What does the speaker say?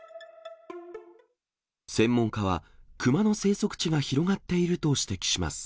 専門家は、クマの生息地が広がっていると指摘します。